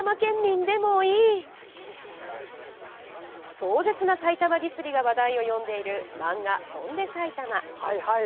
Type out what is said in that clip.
壮絶な埼玉ディスりが話題を呼んでいる漫画「翔んで埼玉」。